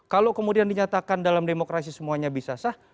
kalau kemudian dinyatakan dalam demokrasi semuanya bisa sah